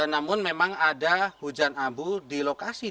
namun memang ada hujan abu di lokasi